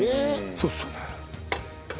そうっすよね。